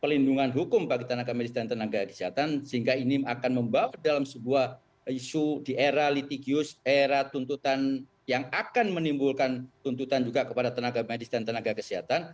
pelindungan hukum bagi tenaga medis dan tenaga kesehatan sehingga ini akan membawa dalam sebuah isu di era litigius era tuntutan yang akan menimbulkan tuntutan juga kepada tenaga medis dan tenaga kesehatan